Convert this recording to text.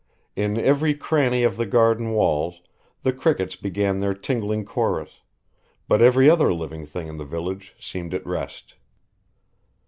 In every cranny of the garden walls the crickets began their tingling chorus, but every other living thing in the village seemed at rest.